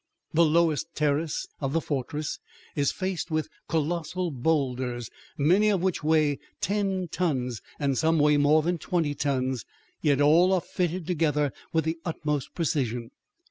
The lowest terrace of the "fortress" is faced with colossal boulders, many of which weigh ten tons and some weigh more than twenty tons, yet all are fitted together with the utmost precision.